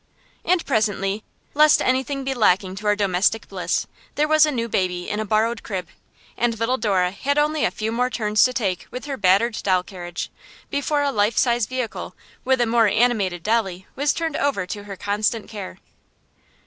And presently, lest anything be lacking to our domestic bliss, there was a new baby in a borrowed crib; and little Dora had only a few more turns to take with her battered doll carriage before a life size vehicle with a more animated dolly was turned over to her constant care.